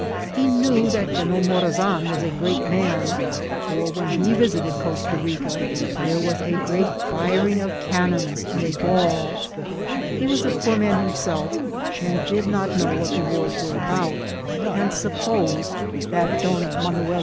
He knew that General Morazan was a great man, for when be visited Costa Rica there was a great firing of cannons and a ball. He was a poor man himself, and did not know what the wars were about; and supposed tjiat Vol. L— 3 B S78 IKCISBITTS OF TEAVBL.